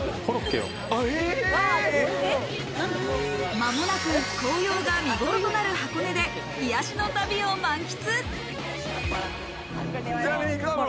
間もなく紅葉が見ごろとなる箱根で癒やしの旅を満喫。